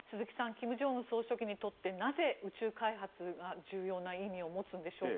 金正恩総書記にとってなぜ宇宙開発が重要な意味を持つんでしょうか。